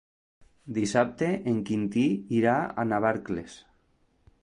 Dissabte en Quintí irà a Navarcles.